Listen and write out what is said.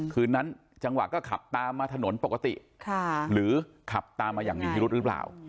คืนนั้นจังหวะก็ขับตามมาถนนปกติหรือขับตามมาอย่างมีพิรุธหรือเปล่า